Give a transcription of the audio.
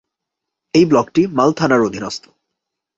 এই ব্লকটি মাল থানার অধীনস্থ।